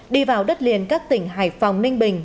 đi vào đất liền các tỉnh hải phòng ninh bình